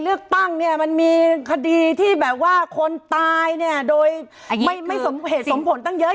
เลือกตั้งเนี่ยมันมีคดีที่แบบว่าคนตายเนี่ยโดยไม่สมเหตุสมผลตั้งเยอะ